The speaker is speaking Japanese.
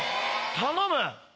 頼む！